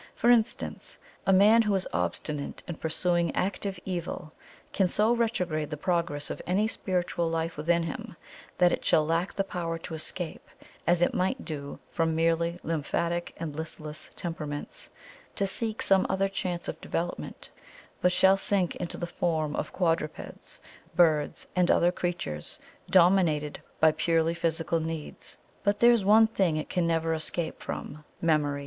For instance, a man who is obstinate in pursuing ACTIVE EVIL can so retrograde the progress of any spiritual life within him, that it shall lack the power to escape, as it might do, from merely lymphatic and listless temperaments, to seek some other chance of development, but shall sink into the form of quadrupeds, birds, and other creatures dominated by purely physical needs. But there is one thing it can never escape from MEMORY.